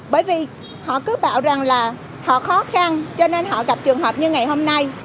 bởi vì họ cứ bảo rằng là họ khó khăn cho nên họ gặp trường hợp như ngày hôm nay